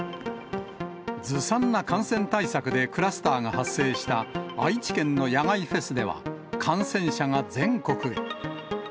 ずさんな感染対策でクラスターが発生した愛知県の野外フェスでは、感染者が全国へ。